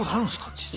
実際。